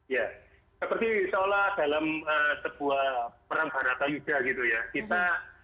ya seperti insya allah dalam sebuah perang barata juga gitu ya